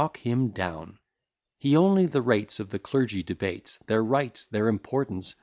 He only the rights of the clergy debates; Their rights! their importance!